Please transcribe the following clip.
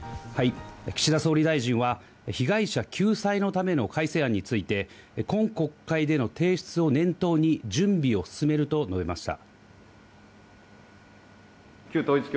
岸田総理大臣は被害者救済のための改正案について、今国会での提出を念頭に準備を進めると述べました。